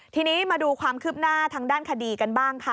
ทีนี้มาดูความคืบหน้าทางด้านคดีกันบ้างค่ะ